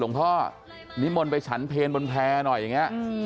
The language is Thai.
หลวงพ่อนิมนต์ไปฉันเพลบนแพร่หน่อยอย่างนี้